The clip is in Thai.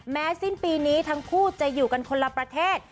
สิ้นปีนี้ทั้งคู่จะอยู่กันคนละประเทศ